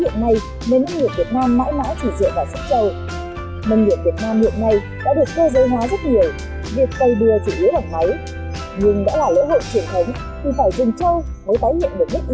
nên minh nghiệp việt nam mãi mãi chỉ dựa vào sản trâu